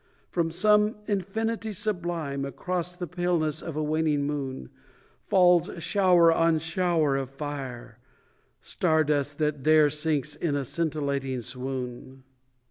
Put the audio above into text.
From some infinity sublime, Across the paleness of a waning moon, Falls shower on shower of fire Star dust that there Sinks in a scintillating swoon.